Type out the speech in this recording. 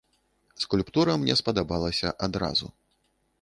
Скульптура мне спадабалася адразу.